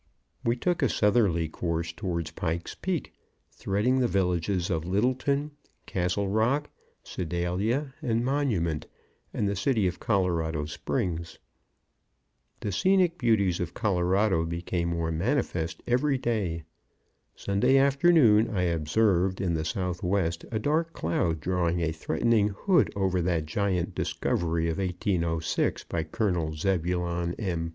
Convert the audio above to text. We took a southerly course towards Pike's Peak, threading the villages of Littleton, Castle Rock, Sedalia and Monument, and the city of Colorado Springs. The scenic beauties of Colorado became more manifest every day. Sunday afternoon I observed in the southwest a dark cloud draw a threatening hood over that giant discovery of 1806 by Col. Zebulon M.